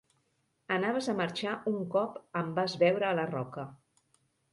Anaves a marxar un cop em vas veure a la roca.